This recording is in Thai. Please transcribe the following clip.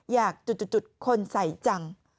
อยากจุดคนใส่จัง